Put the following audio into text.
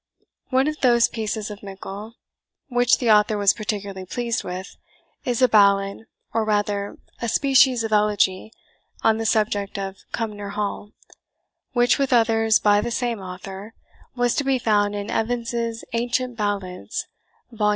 One of those pieces of Mickle, which the author was particularly pleased with, is a ballad, or rather a species of elegy, on the subject of Cumnor Hall, which, with others by the same author, was to be found in Evans's Ancient Ballads (vol.